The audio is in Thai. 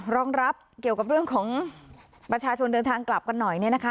รองรับเกี่ยวกับเรื่องของประชาชนเดินทางกลับกันหน่อยเนี่ยนะคะ